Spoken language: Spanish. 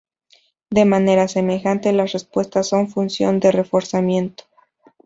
De manera semejante, las respuestas son función del reforzamiento.